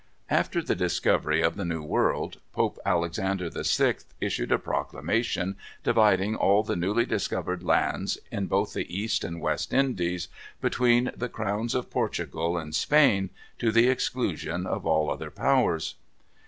After the discovery of the New World, Pope Alexander VI. issued a proclamation dividing all the newly discovered lands, in both the East and West Indies, between the crowns of Portugal and Spain, to the exclusion of all other powers.